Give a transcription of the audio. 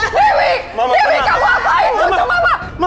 dewi dewi kamu ngapain cucu mama